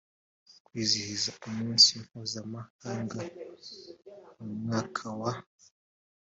kwizihiza umunsi mpuzamahanga mu mwaka wa